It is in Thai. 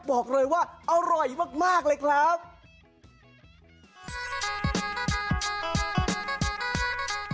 บอกเลยว่าอร่อยมากเลยครับ